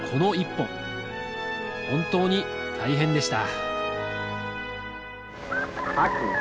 本当に大変でした